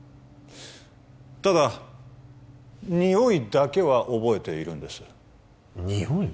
ただ匂いだけは覚えているんです匂い？